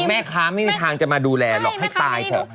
ไม่มีทางจะมาดูแลหรอกให้ตายเถอะ